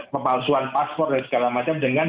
pemalsuan paspor dan segala macam dengan